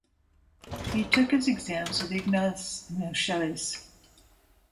He took his exams with Ignaz Moscheles.